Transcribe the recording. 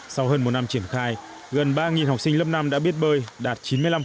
sau hơn một năm triển khai gần ba học sinh lớp năm đã biết bơi đạt chín mươi năm